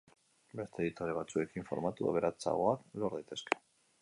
Beste editore batzuekin formatu aberatsagoak lor daitezke.